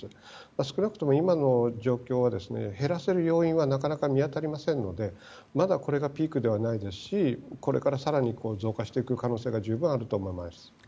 少なくとも今の状況は減らせる要因はなかなか見当たりませんのでまだこれがピークではないですしこれから更に増加していく可能性が十分あると思います。